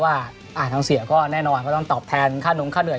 ว่าทางเสียก็แน่นอนก็ต้องตอบแทนค่านงค่าเหนื่อย